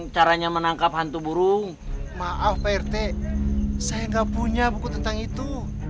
caranya menangkap hantu burung maaf prt saya gak punya buku tentang itu